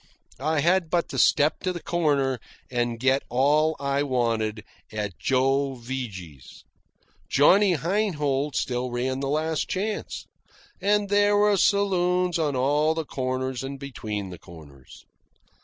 I had but to step to the corner and get all I wanted at Joe Vigy's. Johnny Heinhold still ran the Last Chance. And there were saloons on all the corners and between the corners.